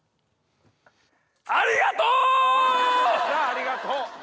「ありがとう」。